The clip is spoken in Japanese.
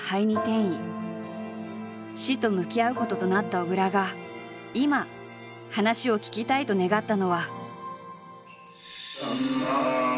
死と向き合うこととなった小倉が今話を聞きたいと願ったのは。